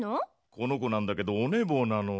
この子なんだけどおねぼうなの。